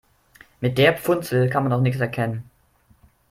Mit der Funzel kann man doch nichts erkennen.